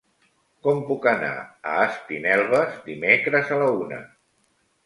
Com puc anar a Espinelves dimecres a la una?